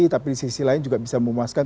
tapi di sisi lain juga bisa memuaskan